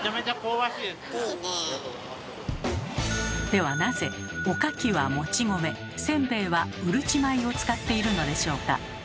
ではなぜおかきはもち米せんべいはうるち米を使っているのでしょうか？